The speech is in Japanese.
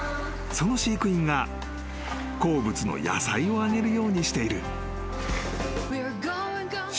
［その飼育員が好物の野菜をあげるようにしている］